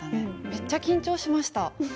めっちゃ緊張しました。